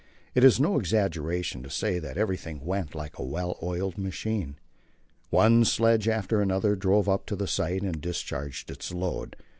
It is no exaggeration to say that everything went like a well oiled machine. One sledge after another drove up to the site and discharged its load.